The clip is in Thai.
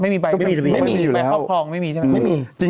ไม่มีใบของไม่มีใช่ไหมไม่มี